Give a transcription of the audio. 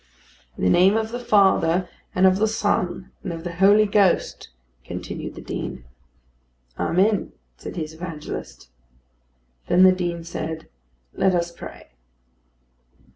"In the name of the Father, and of the Son, and of the Holy Ghost," continued the Dean. "Amen," said his evangelist. Then the Dean said, "Let us pray."